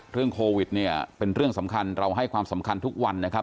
โควิดเนี่ยเป็นเรื่องสำคัญเราให้ความสำคัญทุกวันนะครับ